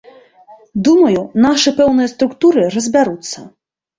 Думаю, нашы пэўныя структуры разбяруцца.